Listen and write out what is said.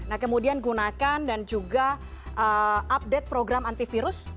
nah kemudian gunakan dan juga update program antivirus